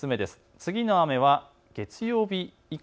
次の雨は月曜日以降。